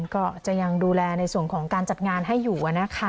ก็จะยังดูแลในส่วนของการจัดงานให้อยู่นะคะ